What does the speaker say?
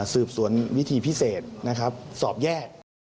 สืบสวนวิธีพิเศษสอบแยก